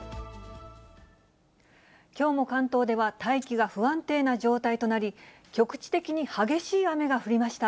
きょうも関東では大気が不安定な状態となり、局地的に激しい雨が降りました。